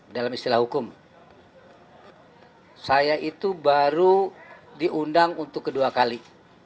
dalam istilah hukum saya itu baru diundang untuk kedua kali